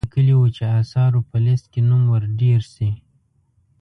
ده لیکلي وو چې آثارو په لیست کې نوم ور ډیر شي.